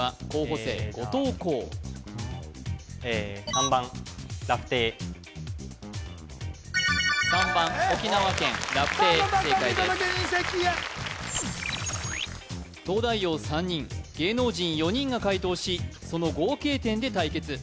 見届け人席へ東大王３人芸能人４人が解答しその合計点で対決